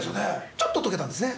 ちょっと溶けたんですね？